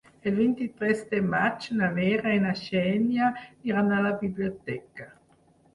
El vint-i-tres de maig na Vera i na Xènia iran a la biblioteca.